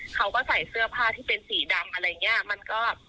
เขาก็ใส่เสื้อผ้าที่เป็นสีดำอะไรอย่างนี้